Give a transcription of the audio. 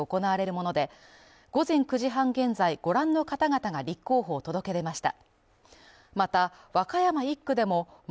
もので午前９時半現在、ご覧の方々が立候補を届け出ました。